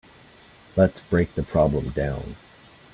Let's break the problem down.